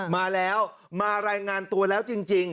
มาแล้วมารายงานตัวแล้วจริง